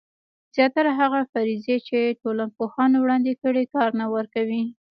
زیاتره هغه فرضیې چې ټولنپوهانو وړاندې کړي کار نه ورکوي.